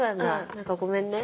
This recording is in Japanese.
何かごめんね。